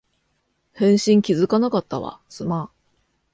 返信気づかなかったわ、すまん